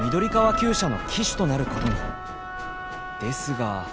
ですが。